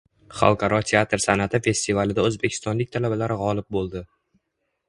Xalqaro teatr san’ati festivalida o‘zbekistonlik talabalar g‘olib bo‘ldi